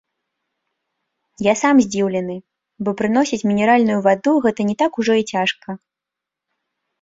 Я сам здзіўлены, бо прыносіць мінеральную ваду гэта не так ужо і цяжка.